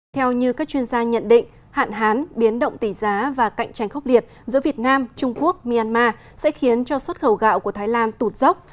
theo như các chuyên gia nhận định hạn hán biến động tỷ giá và cạnh tranh khốc liệt giữa việt nam trung quốc myanmar sẽ khiến cho xuất khẩu gạo của thái lan tụt dốc